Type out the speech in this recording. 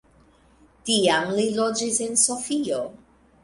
Tiam li loĝis en Sofio.